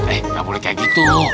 eh nggak boleh kayak gitu